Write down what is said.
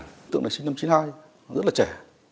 đối tượng này sinh năm chín mươi hai rất là trẻ